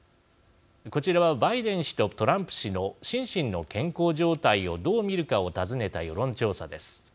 こちらは、バイデン氏とトランプ氏の心身の健康状態をどう見るかを尋ねた世論調査です。